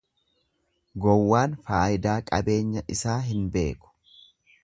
Gowwaan faayidaa qabeenya isaa hin beeku.